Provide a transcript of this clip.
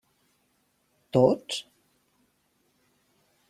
Tots?